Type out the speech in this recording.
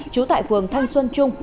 chú tại phường thanh xuân trung